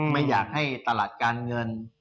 ไม่อยากให้ตลาดการเงิน